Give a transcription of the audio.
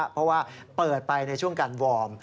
เพราะว่าเปิดไปในช่วงการวอร์ม